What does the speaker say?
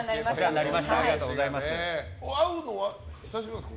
会うのは久しぶりですか？